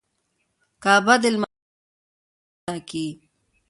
کعبه د لمانځه پر مهال قبله ټاکي.